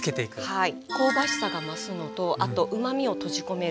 はい。